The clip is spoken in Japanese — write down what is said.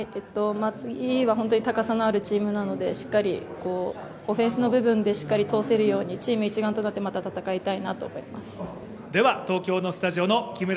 次は本当に高さのあるチームなので、しっかりオフェンスの部分でしっかり通せるようにチーム一丸となってまた戦いたいなと思います。